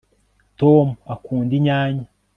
tom akunda inyanya